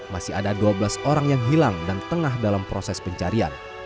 masih ada dua belas orang yang hilang dan tengah dalam proses pencarian